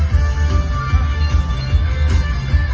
สวัสดีครับ